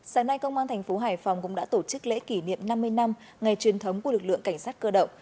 sáng nay công an thành phố hải phòng cũng đã tổ chức lễ kỷ niệm năm mươi năm ngày truyền thống của lực lượng cảnh sát cơ động